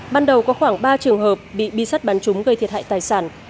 ban đầu có khoảng ba trường hợp bị bi sắt bắn trúng gây thiệt hại tài sản